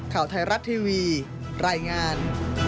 ข่าวไทยรัฐทีวีรายงาน